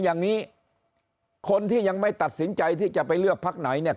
อย่างนี้คนที่ยังไม่ตัดสินใจที่จะไปเลือกพักไหนเนี่ย